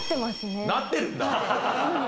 なってるんだ。